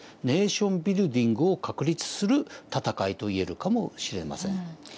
ネーションビルディングを確立する戦いと言えるかもしれません。